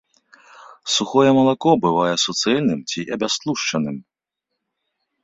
Сухое малако бывае суцэльным ці абястлушчаным.